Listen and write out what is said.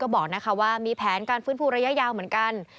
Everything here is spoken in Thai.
บอกว่ามีแผนการฟื้นฟูระยะยาวเหมือนกัน